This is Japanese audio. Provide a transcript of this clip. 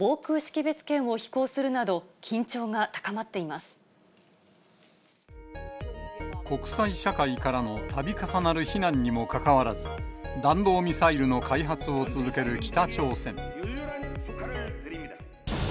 また、国際社会からのたび重なる非難にもかかわらず、弾道ミサイルの開発を続ける北朝鮮。